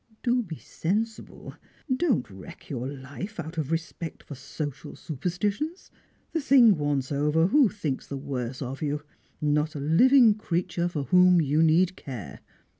Do be sensible; don't wreck your life out of respect for social superstitions. The thing once over, who thinks the worse of you? Not a living creature for whom you need care.